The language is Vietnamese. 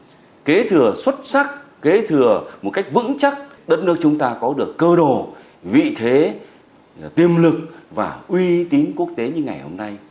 chúng ta kế thừa xuất sắc kế thừa một cách vững chắc đất nước chúng ta có được cơ đồ vị thế tiềm lực và uy tín quốc tế như ngày hôm nay